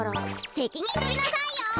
せきにんとりなさいよ！